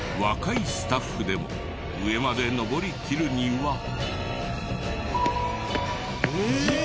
若いスタッフでも上まで上りきるには。